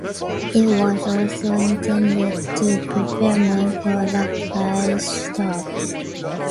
It was also intended to prepare men for the priesthood.